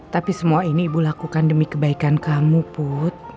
tapi semua ini ibu lakukan demi kebaikan kamu put